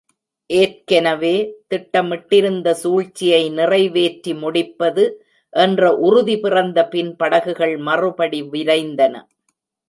ஏற்கெனவே திட்டமிட்டிருந்த சூழ்ச்சியை நிறைவேற்றி முடிப்பது என்ற உறுதி பிறந்த பின் படகுகள் மறுபடி விரைந்தன.